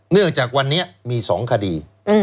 เนื่องจากวันนี้มี๒คดี